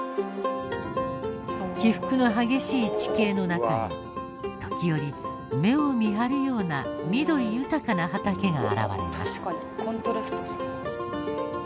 起伏の激しい地形の中に時折、目を見張るような緑豊かな畑が現れます